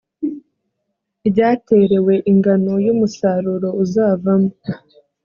ryaterewe ingano y umusaruro uzavamo